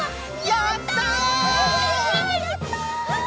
やった！